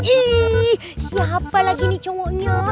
ih siapa lagi nih cowoknya